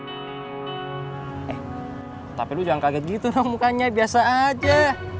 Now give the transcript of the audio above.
eh tapi lu jangan kaget gitu dong mukanya biasa aja